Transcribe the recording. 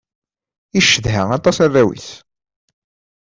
Icedha aṭas arraw-is.